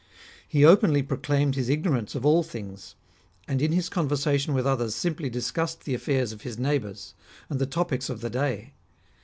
He openly proclaimed his ignorance of all things, and in his conversation with others simply discussed the affairs of his neighbours, and the topics of the day.